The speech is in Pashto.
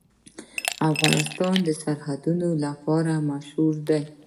افغانستان د سرحدونه لپاره مشهور دی.